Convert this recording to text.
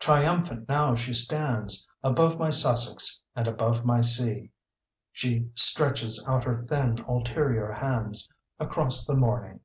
triumphant now she stands, Above my Sussex, and above my sea! She stretches out her thin ulterior hands Across the morning